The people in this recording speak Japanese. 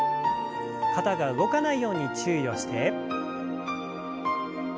肩が動かないように注意をして。